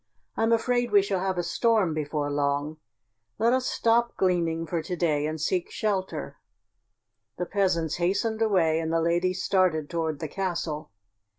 I'm afraid we shall have a storm before long. Let us stop gleaning for to day and seek shelter." The peasants hastened away and the lady started toward the castle.